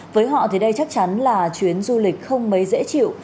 với họ thì đây chắc chắn là chuyến du lịch không mấy dễ chịu